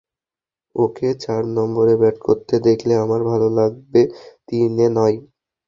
ওকে চার নম্বরে ব্যাট করতে দেখলে আমার ভালো লাগবে, তিনে নয়।